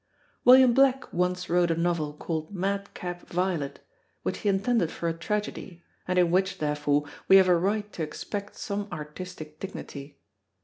William Black once wrote a novel called Madcap Violet, which he intended for a tragedy, and in which, therefore, we have a right to expect some artistic dignity.